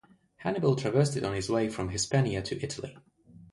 Hannibal traversed it on his way from Hispania to Italy.